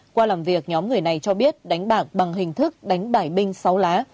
qua làm việc nhóm người này cho biết đánh bạc bằng hình thức đánh bải binh sáu lá